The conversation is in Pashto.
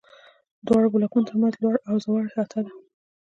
دواړو بلاکونو تر منځ لوړ او ځوړ احاطه ده.